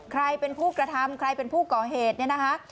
ใครเป็นผู้กระทำใครเป็นผู้ก่อเหตุเนี่ยนะคะ